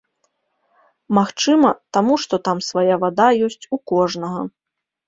Магчыма, таму, што там свая вада ёсць у кожнага.